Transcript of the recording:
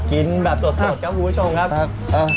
กินแบบสดจ้าวหมูให้ชมครับ